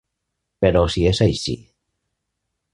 Però si és així.